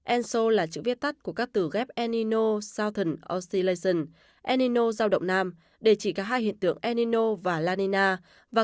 enso là chữ viết tắt của các từ ghép enino southen oscillation enino giao động nam để chỉ cả hai hiện tượng enino và lanina